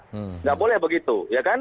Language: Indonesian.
tidak boleh begitu